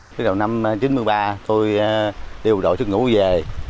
từ đầu năm một nghìn chín trăm chín mươi ba tôi đi một đội thức ngủ về